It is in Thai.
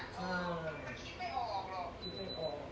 มันคิดมั้ยออกหรอ